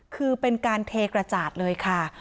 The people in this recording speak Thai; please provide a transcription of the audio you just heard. คือเป็นการเทกระจาดเลยค่ะ